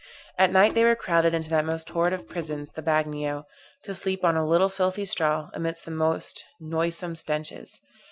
At night they were crowded into that most horrid of prisons the Bagnio, to sleep on a little filthy straw, amidst the most noisome stenches.